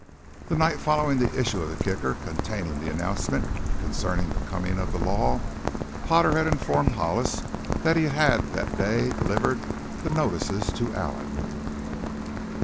The night following the issue of the Kicker containing the announcement concerning the coming of the law Potter had informed Hollis that he had that day delivered the notices to Allen.